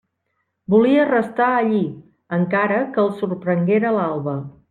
Volia restar allí, encara que el sorprenguera l'alba.